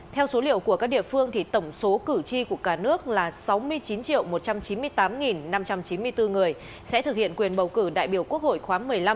theo số liệu của các địa phương tổng số cử tri của cả nước là sáu mươi chín một trăm chín mươi tám năm trăm chín mươi bốn người sẽ thực hiện quyền bầu cử đại biểu quốc hội khóa một mươi năm